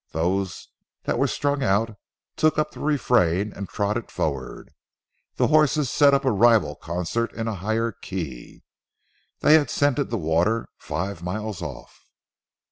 Those that were strung out took up the refrain and trotted forward. The horses set up a rival concert in a higher key. They had scented the water five miles off.